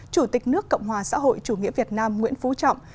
chủ tịch nước cộng hòa xã hội chủ nghĩa việt nam nguyễn phú trọng